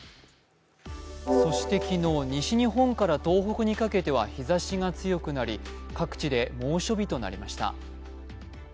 そして昨日、西日本から東北にかけては日ざしが強くなり、各所で猛暑日となりました。